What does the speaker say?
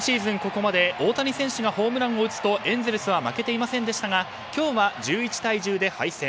ここまで大谷選手がホームランを打つとエンゼルスは負けていませんでしたが今日は１１対１０で敗戦。